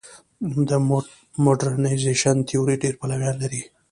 د موډرنیزېشن تیوري ډېر پلویان لري.